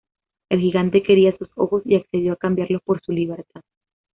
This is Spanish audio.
El gigante quería esos ojos y accedió a cambiarlos por su libertad.